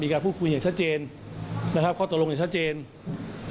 มีการพูดคุยอย่างชัดเจนข้อตรงอย่างชัดเจน